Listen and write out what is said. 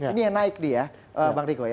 ini yang naik dia bang riko ya